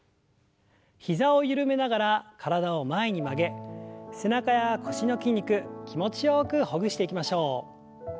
膝を緩めながら体を前に曲げ背中や腰の筋肉気持ちよくほぐしていきましょう。